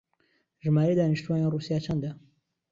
ژمارەی دانیشتووانی ڕووسیا چەندە؟